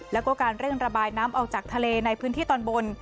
แล้วก็การเร่งระบายน้ำออกจากทะเลในพื้นที่ตอนบน